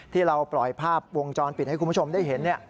ที่เราปล่อยภาพวงจรปิดให้คุณผู้ชมได้เห็น